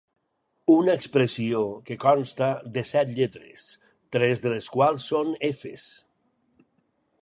Una expressió que consta de set lletres, tres de les quals són efes».